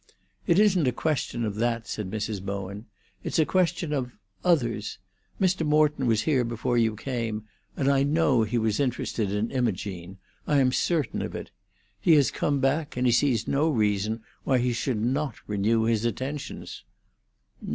"It isn't a question of that," said Mrs. Bowen. "It's a question of—others. Mr. Morton was here before you came, and I know he was interested in Imogene—I am certain of it. He has come back, and he sees no reason why he should not renew his attentions."